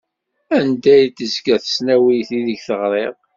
Anda i d-tezga tesnawit ideg teɣriḍ?